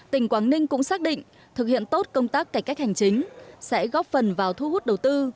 tỉnh quảng ninh cũng xác định thực hiện tốt công tác cải cách hành chính sẽ góp phần vào thu hút đầu tư